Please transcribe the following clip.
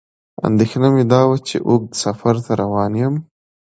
اندېښنه مې دا وه چې اوږد سفر ته روان یم.